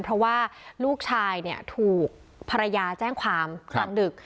เพราะว่าลูกชายเนี่ยถูกภรรยาแจ้งความกลางดึก